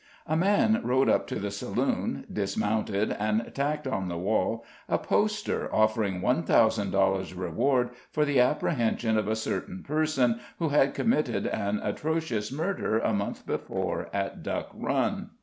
A man rode up to the saloon, dismounted, and tacked on the wall a poster offering one thousand dollars reward for the apprehension of a certain person who had committed an atrocious murder a month before at Duck Run.